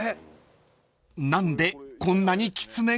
［何でこんなに狐が？］